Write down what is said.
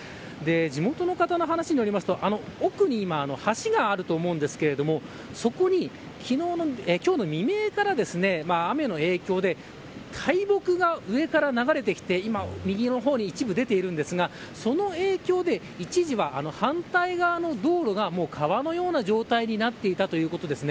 地元の方の話によるとあの奥に橋があると思うんですけどそこに、今日の未明から雨の影響で大木が上から流れてきて今、右の方に一部出ているんですがその影響で一時は反対側の道路が川のような状態になっていたということです。